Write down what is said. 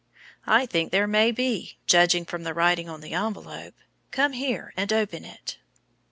"I think there may be, judging from the writing on the envelope. Come here and open it."